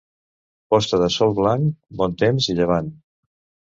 Posta de sol blanc, bon temps i llevant.